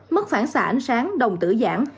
mất phản xạ ánh sáng đồng tử giãn